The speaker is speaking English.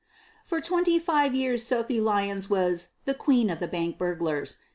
For twenty five years Sophie Lyons was "The Queen of the Bank Burglars."